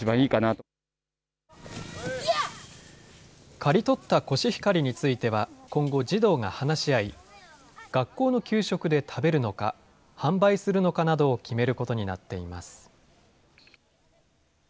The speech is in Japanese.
刈り取ったコシヒカリについては、今後、児童が話し合い、学校の給食で食べるのか、販売するのかなどを決めることになっています。